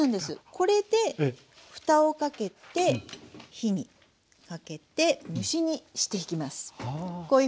これでふたをかけて火にかけて蒸し煮していきます。